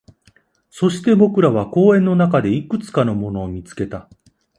そして、僕らは公園の中でいくつかのものを見つけた